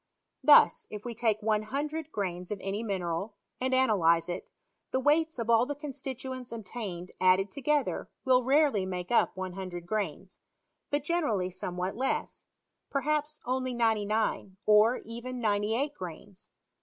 Thus, if we take 100 grains of any mineral, and analyze it, the we^hts of all the constituents obtained added toge ther will rarely make up 100 grains, but generally somewhat less ; perhaps only 99, or even 98 grains.